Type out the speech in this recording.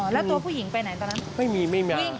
แล้วตัวผู้หญิงไปไหนตอนนั้น